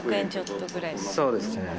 そうですね。